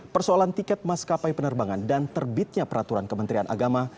persoalan tiket maskapai penerbangan dan terbitnya peraturan kementerian agama